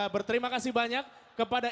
berterima kasih banyak kepada